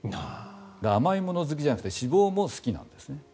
甘いもの好きじゃなくて脂肪も好きなんですね。